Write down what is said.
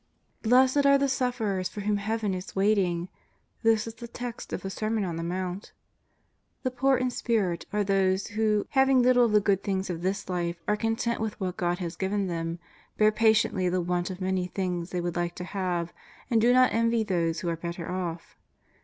'' Blessed the sufferers for whom Heaven is waiting! this is the text of the Sermon on the Mount. The poor in spirit are those who, having little of the good things of this life, are content with what God has given them, bear patiently the want of many things they would like to have, and do not envy those who are better off.